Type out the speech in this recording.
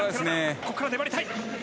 ここから粘りたい。